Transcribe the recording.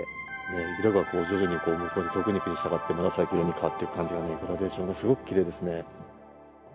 色が徐々に遠くに行くにしたがって紫色に変わっていく感じが、グラデーションがすごくきれいですね。